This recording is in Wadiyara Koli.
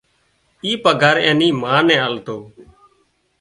اي پگھار اين نِي مان نين آلتو